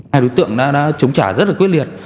hai đối tượng đã chống trả rất là quyết liệt